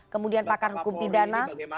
kemudian pakar hukum pidana